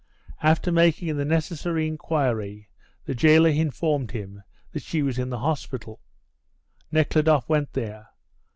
After making the necessary inquiry the jailer informed him that she was in the hospital. Nekhludoff went there.